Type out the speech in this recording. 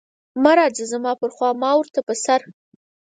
مه راځه زما پر خوا ما ورته په سر.